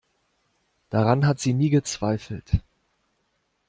Daran hat sie nie gezweifelt.